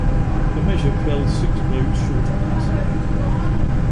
The measure fell six votes short of passage.